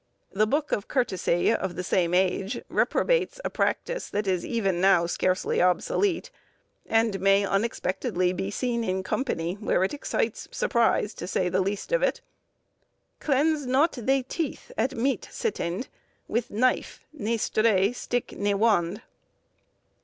The Boke of Curtasye of the same age, reprobates a practice that is even now scarcely obsolete, and may unexpectedly be seen in company, where it excites surprise, to say the least of it;— "Clense not thi tethe at mete sittande, With knyfe ne stre, styk ne wande."